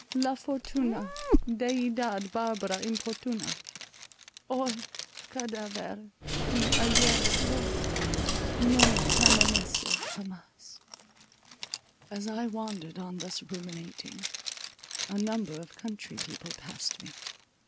la fortuna deidad barbara importuna, oy cadaver y ayer flor, no permanece jamas! As I wandered on thus ruminating, a number of country people passed me.